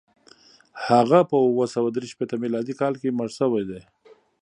هغه په اووه سوه درې شپېته میلادي کال کې مړ شوی دی.